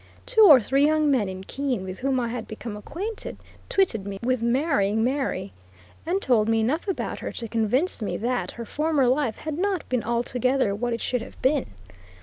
Two or three young men in Keene, with whom I had become acquainted, twitted me with marrying Mary, and told me enough about her to convince me that her former life had not been altogether what it should have been.